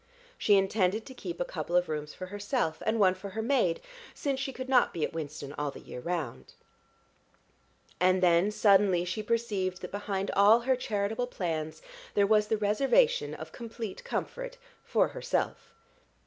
She intended to keep a couple of rooms for herself, and one for her maid, since she could not be at Winston all the year round.... And then suddenly she perceived that behind all her charitable plans there was the reservation of complete comfort for herself.